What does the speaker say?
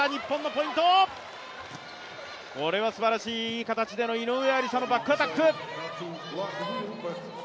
これはすばらしい、いい形での井上愛里沙のバックアタック。